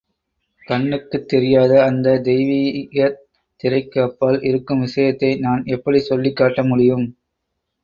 கண்ணுக்குத் தெரியாத அந்த தெய்வீகத் திரைக்கு அப்பால் இருக்கும் விஷயத்தை நான் எப்படிச் சொல்லிக் காட்ட முடியும்?